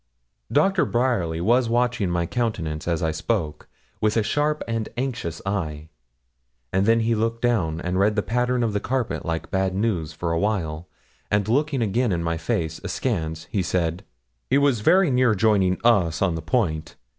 Doctor Bryerly was watching my countenance as I spoke, with a sharp and anxious eye; and then he looked down, and read the pattern of the carpet like bad news, for a while, and looking again in my face, askance, he said 'He was very near joining us on the point.